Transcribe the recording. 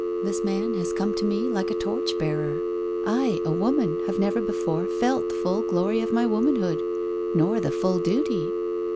" This man has come to me like a torch bearer — I, a woman, have never before felt the full glory of my womanhood — nor the full duty.